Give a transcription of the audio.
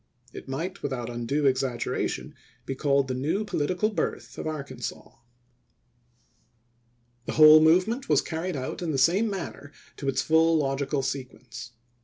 It might without undue exaggeration be called the new political birth of Arkansas. The whole movement was carried out in the same manner to its full logical sequence.